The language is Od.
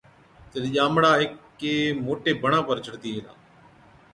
تِڏ ڄامڙا هيڪي موٽي بڻا پر چڙهتِي گيلا،